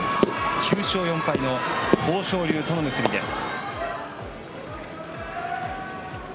９勝４敗の豊昇龍との結びです。